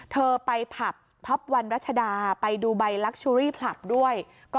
เธอไปผับท็อปวันรัชดาไปดูใบลักชุรีผลับด้วย